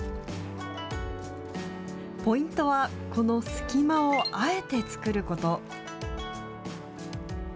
ポイントは、この隙間をあえて作ること。